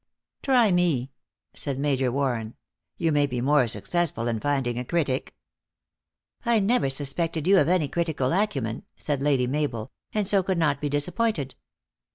" Try me," said Major Warren. " You may be more successful in finding a critic." " I never suspected you of any critical acumen," said Lady Mabel ;" and so could not be disappointed."